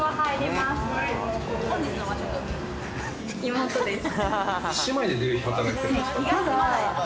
妹です。